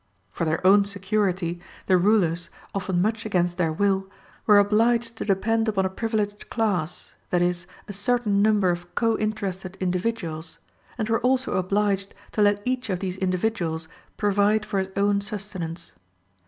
For their own security, the rulers, often much against their will, were obliged to depend upon a privileged class, that is, a certain number of co interested individuals, and were also obliged to let each of these individuals provide for his own sustenance.